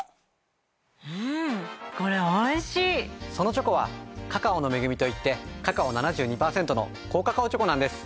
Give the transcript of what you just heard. そのチョコは「カカオの恵み」といってカカオ７２％の高カカオチョコなんです。